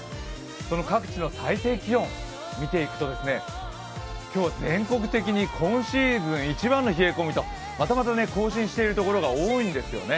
その各地の最低気温、見ていくと今日、全国的に今シーズン一番の冷え込みとまたまた更新している所が多いんですよね。